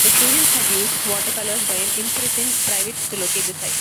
The students had used watercolors by an imprisoned private to locate the site.